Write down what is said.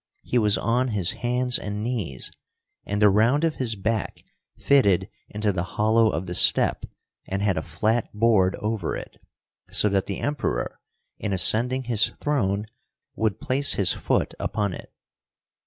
He was on his hands and knees, and the round of his back fitted into the hollow of the step, and had a flat board over it, so that the Emperor, in ascending his throne, would place his foot upon it.